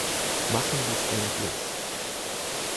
Machen Sie es endlich!